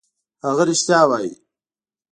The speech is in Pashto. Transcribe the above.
هغه رښتیا وايي.